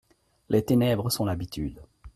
Les ténèbres sont l'habitude.